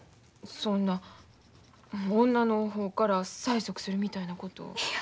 そんな女の方から催促するみたいなこと。